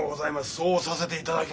そうさせていただきましょう。